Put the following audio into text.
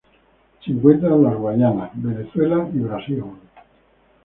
Se encuentra en las Guayanas, Venezuela y Brasil.